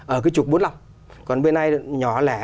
ở cái trục bốn mươi năm còn bên này nhỏ lẻ